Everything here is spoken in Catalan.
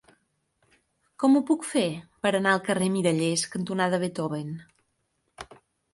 Com ho puc fer per anar al carrer Mirallers cantonada Beethoven?